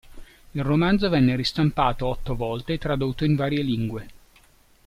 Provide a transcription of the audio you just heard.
Il romanzo venne ristampato otto volte e tradotto in varie lingue.